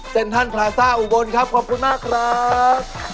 ท่านพลาซ่าอุบลครับขอบคุณมากครับ